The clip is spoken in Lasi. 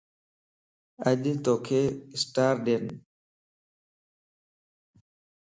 اچ توک اسٽار ڏين